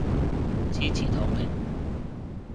支持躺平